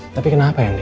tapi kenapa ya din